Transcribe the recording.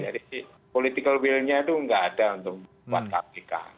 jadi political will nya itu nggak ada untuk membuat kpk